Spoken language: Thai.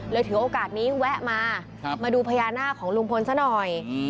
ถือโอกาสนี้แวะมามาดูพญานาคของลุงพลซะหน่อย